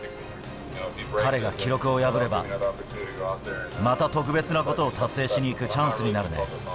彼が記録を破れば、また特別なことを達成しにいくチャンスになるね。